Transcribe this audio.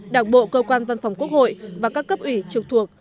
đảng bộ cơ quan văn phòng quốc hội và các cấp ủy trực thuộc